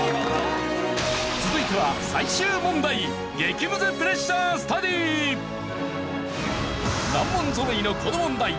続いては最終問題難問ぞろいのこの問題